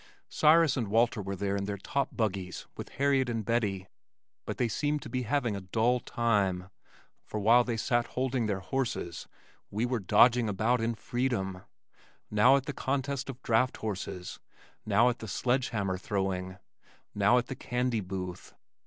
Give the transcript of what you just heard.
Cyrus and Walter were there in their top buggies with Harriet and Bettie but they seemed to be having a dull time, for while they sat holding their horses we were dodging about in freedom now at the contest of draft horses, now at the sledge hammer throwing, now at the candy booth.